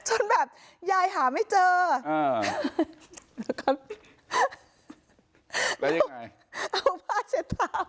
โอ้โห